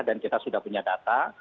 dan kita sudah punya data